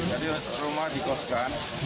jadi rumah dikoskan